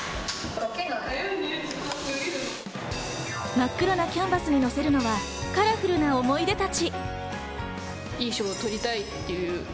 真っ黒なキャンバスにのせるのはカラフルな思い出たち。